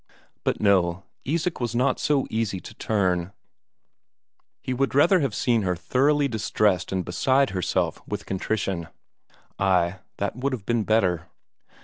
But no, Isak was not so easy to turn; he would rather have seen her thoroughly distressed and beside herself with contrition. Ay, that would have been better.